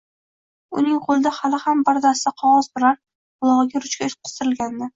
Uning qo`lida hali ham bir dasta qog`oz turar, qulog`iga ruchka qistirilgandi